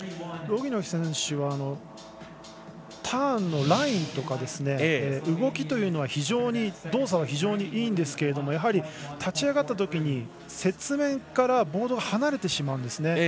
ロギノフ選手はターンのラインとか動きというのは動作は非常にいいですがやはり立ち上がったときに雪面からボードが離れてしまうんですね。